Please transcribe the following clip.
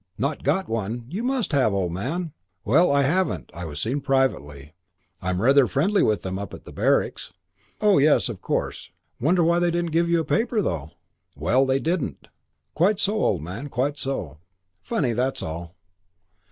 "Not got one! You must have, old man." "Well, I haven't. I was seen privately. I'm rather friendly with them up at the barracks." "Oh, yes, of course. Wonder they didn't give you a paper, though." "Well, they didn't." "Quite so, old man. Quite so. Funny, that's all."